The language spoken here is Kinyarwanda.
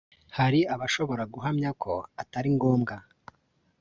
hari abashobora guhamya ko atari ngombwa